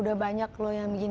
dan banyak yang bilang begini